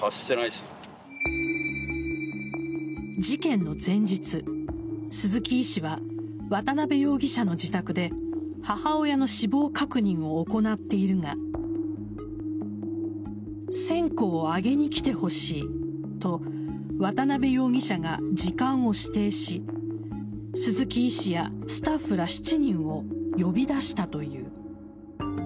事件の前日、鈴木医師は渡辺容疑者の自宅で母親の死亡確認を行っているが線香をあげに来てほしいと渡辺容疑者が時間を指定し鈴木医師やスタッフら７人を呼び出したという。